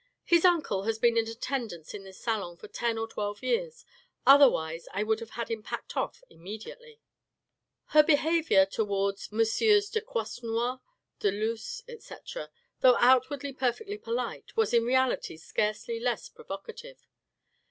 " His uncle has been in attendance in this salon for ten or twelve years, otherwise I would have had him packed off immediately." Her behaviour towards MM. de Croisenois, de Luz, etc., though outwardly perfectly polite, was in reality scarcely less provocative.